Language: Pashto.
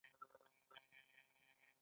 د فوسفورس سائیکل په ډبرو کې پاتې کېږي.